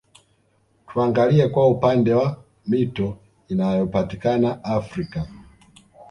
Tuangalie kwa upande wa mito inayopatikana Afrika